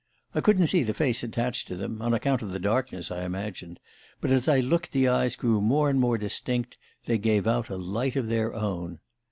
I couldn't see the face attached to them on account of the darkness, I imagined but as I looked the eyes grew more and more distinct: they gave out a light of their own.